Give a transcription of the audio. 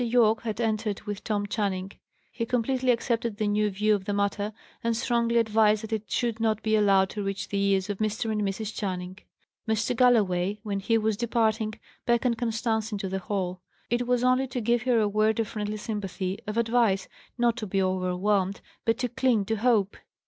Yorke had entered with Tom Channing. He completely accepted the new view of the matter, and strongly advised that it should not be allowed to reach the ears of Mr. and Mrs. Channing. Mr. Galloway, when he was departing, beckoned Constance into the hall. It was only to give her a word of friendly sympathy, of advice not to be overwhelmed, but to cling to hope.